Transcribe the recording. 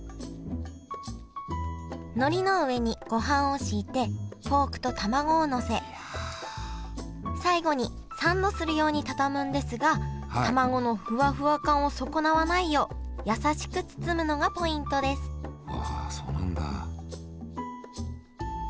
のりの上にごはんを敷いてポークとたまごをのせ最後にサンドするように畳むんですがたまごのふわふわ感を損なわないようやさしく包むのがポイントですわあそうなんだ。